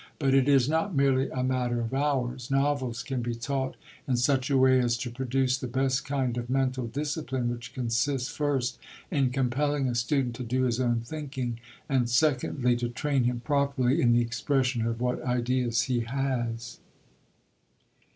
But it is not merely a matter of hours; novels can be taught in such a way as to produce the best kind of mental discipline, which consists, first, in compelling a student to do his own thinking, and, secondly, to train him properly in the expression of what ideas he has.